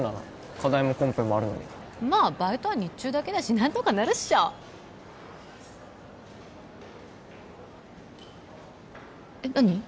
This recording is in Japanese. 課題もコンペもあるのにまあバイトは日中だけだし何とかなるっしょえ何？